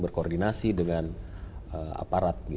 berkoordinasi dengan aparat gitu